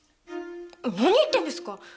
何言ってんですか！